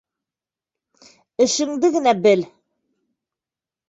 Эшенде генә бел.